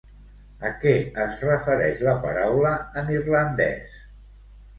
A què es refereix la paraula en irlandès?